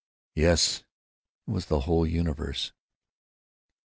"Yes! It was the whole universe."